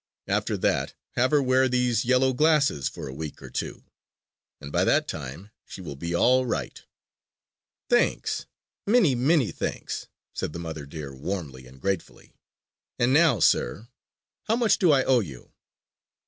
After that, have her wear these yellow glasses for a week or two; and by that time she will be all right." "Thanks, many, many thanks," said the mother deer warmly and gratefully. "And now, sir, how much do I owe you?"